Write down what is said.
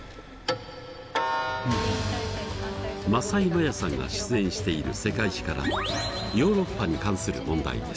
政井マヤさんが出演している「世界史」からヨーロッパに関する問題です。